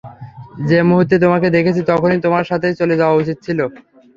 যে মুহূর্তে তোমাকে দেখেছি তখনই তোমার সাথে চলে যাওয়া উচিত ছিল।